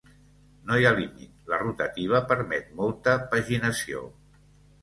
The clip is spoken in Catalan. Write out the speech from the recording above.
No hi ha límit, la rotativa permet molta paginació.